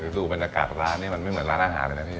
ดูบรรยากาศร้านนี่มันไม่เหมือนร้านอาหารเลยนะพี่